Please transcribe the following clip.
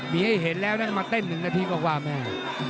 มีให้เห็นแล้วนะมาเต้น๑นาทีกว่าแม่